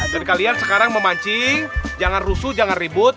jadi kalian sekarang memancing jangan rusuh jangan ribut